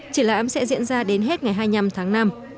triển lãm sẽ diễn ra đến hết ngày hai mươi năm tháng năm